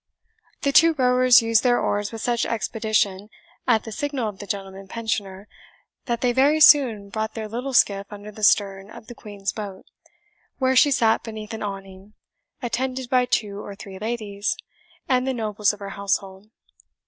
The two rowers used their oars with such expedition at the signal of the Gentleman Pensioner, that they very soon brought their little skiff under the stern of the Queen's boat, where she sat beneath an awning, attended by two or three ladies, and the nobles of her household.